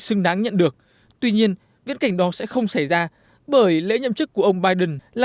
xứng đáng nhận được tuy nhiên viễn cảnh đó sẽ không xảy ra bởi lễ nhậm chức của ông biden là